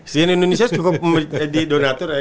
cnn indonesia cukup di donatur ya